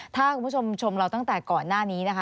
ถ้าคุณผู้ชมชมเราตั้งแต่ก่อนหน้านี้นะคะ